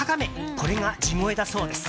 これが地声だそうです。